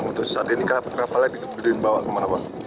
untuk saat ini kapalnya diberi bawa kemana pak